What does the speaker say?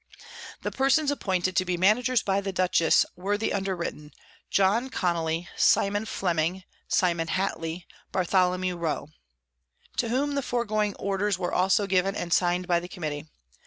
_ The Persons appointed to be Managers by the Dutchess, were the underwritten, John Connely, Simon Fleming, Simon Hatley, Barth. Rowe. _To whom the foregoing Orders were also given, and sign'd by the Committee.